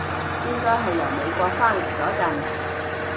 應該係由美國返嚟嗰陣